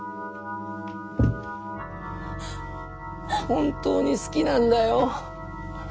本当に好きなんだよ。